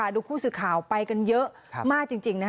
ดูผู้สื่อข่าวไปกันเยอะมากจริง